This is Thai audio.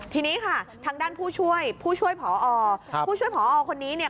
ทีนี้ค่ะทางด้านผู้ช่วยผู้ช่วยผอผู้ช่วยผอคนนี้เนี่ย